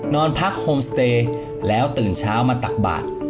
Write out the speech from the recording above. นอนพักโฮมสเตย์แล้วตื่นเช้ามาตักบาท